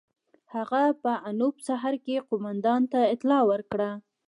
هغه په انوپ سهر کې قوماندان ته اطلاع ورکړه.